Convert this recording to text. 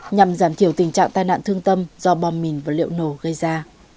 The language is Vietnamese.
nhằm giảm thiểu tình trạng tai nạn thương tâm do bom mìn vật liệu nổ gây ra